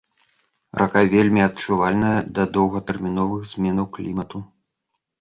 Рака вельмі адчувальная да доўгатэрміновых зменаў клімату.